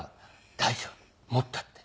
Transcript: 「大丈夫持った」って。